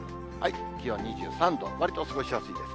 気温２３度、わりと過ごしやすいです。